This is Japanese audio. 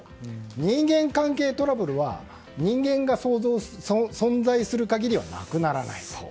人間関係トラブルは人間が存在する限りはなくならないと。